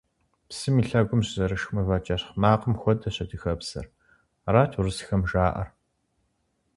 Псым и лъэгум щызэрышх мывэ кӏэщхъ макъым хуэдэщ адыгэбзэр – арат урысхэм жаӏэр.